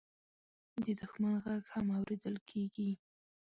د دښمن غږ هم اورېدل کېږي.